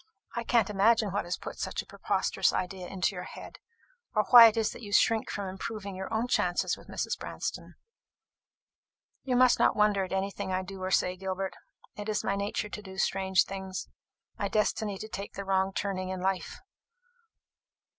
I can't imagine what has put such a preposterous idea into your head, or why it is that you shrink from improving your own chances with Mrs. Branston." "You must not wonder at anything that I do or say, Gilbert. It is my nature to do strange things my destiny to take the wrong turning in life!"